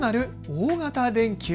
大型連休。